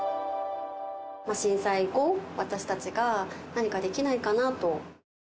震災後、私たちが何かできないかなと。